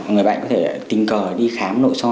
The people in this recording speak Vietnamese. người bệnh có thể tình cờ đi khám nội so